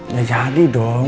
ya jadi dong